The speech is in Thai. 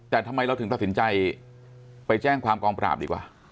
แต่ทำไมเราถึงตัดสินใจไปแจ้งความกองปราบดีกว่า